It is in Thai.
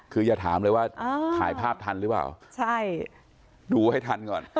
คืออย่าถามเลยว่าถ่ายภาพทันหรือเปล่าใช่ดูให้ทันก่อน